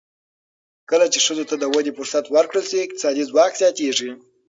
کله چې ښځو ته د ودې فرصت ورکړل شي، اقتصادي ځواک زیاتېږي.